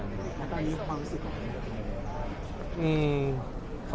ตอนนี้ความศิษย์อะ